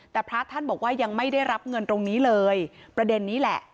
แต่พระท่านบอกว่ายังไม่ได้รับเงินตรงนี้เลยประเด็นนี้แหละ